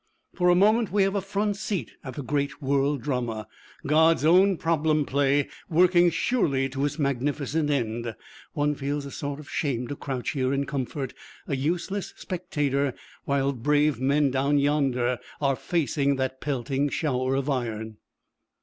For a moment we have a front seat at the great world drama, God's own problem play, working surely to its magnificent end. One feels a sort of shame to crouch here in comfort, a useless spectator, while brave men down yonder are facing that pelting shower of iron.